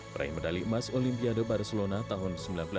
peraih medali emas olimpiade barcelona tahun seribu sembilan ratus sembilan puluh